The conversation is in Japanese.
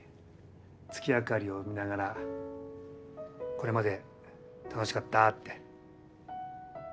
月明かりを見ながら「これまで楽しかった」って。